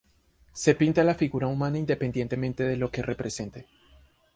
Se pinta la figura humana independientemente de lo que represente.